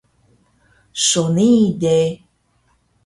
So nii de